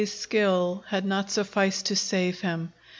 's skill had not sufficed to save him.